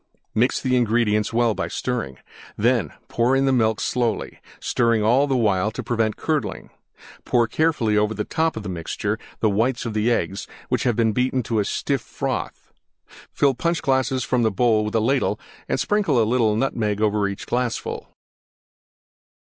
Mix the ingredients well by stirring. Then pour in the milk slowly, stirring all the while to prevent curdling. Pour carefully over the top of the mixture the whites of the Eggs, which have been beaten to a stiff froth. Fill Punch glasses from the bowl with ladle and sprinkle a little Nutmeg over each glassful.